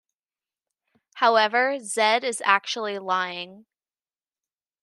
However, Zedd is actually lying.